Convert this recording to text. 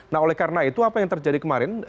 nah oleh karena itu apa yang terjadi kemarin